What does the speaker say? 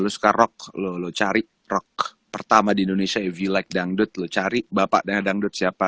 lu suka rock lulu cari rock pertama di indonesia evil like dangdut lu cari bapaknya dangdut siapa